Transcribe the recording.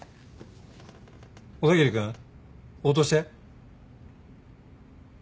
小田切君応答して。